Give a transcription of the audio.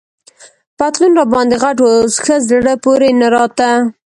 پتلون راباندي غټ وو، ښه زړه پورې نه راته.